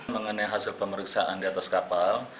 mengenai hasil pemeriksaan di atas kapal